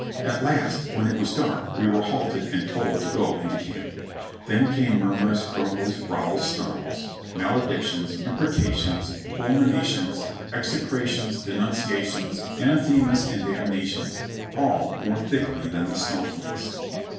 At last when it was dark we were halted and told to go into camp. Then came murmurs, grumbles, growls, snarls, maledictions, imprecations, fulminations, execrations, denunciations, anathemas and dam nations ! all more thickly than the snow flakes.